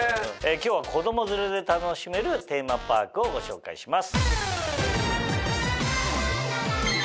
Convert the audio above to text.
今日は子供連れで楽しめるテーマパークをご紹介します。